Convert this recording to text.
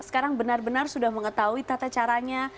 sekarang benar benar sudah mengetahui tata caranya